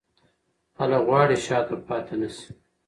خلک غواړي شاته پاتې نه شي.